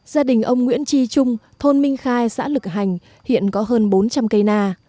gia đình ông nguyễn tri trung thôn minh khai xã lực hành hiện có hơn bốn trăm linh cây na